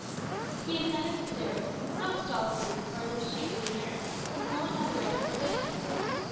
He ascended the stairs; not stealthily, or as if ashamed of his errand, for no one had the right to forbid him.